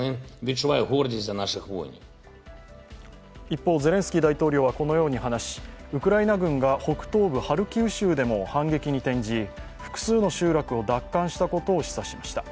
一方、ゼレンスキー大統領はこのように話し、ウクライナ軍が北東部ハルキウ州でも反撃に転じ複数の集落を奪還したことを示唆しました。